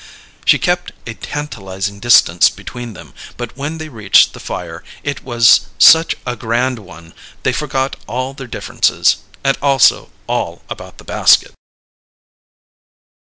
She kept a tantalizing distance between them, but when they reached the fire it was such a grand one they forgot all their differences and also all about the basket.